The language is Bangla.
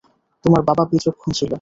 তোমার বাবা বিচক্ষণ ছিল।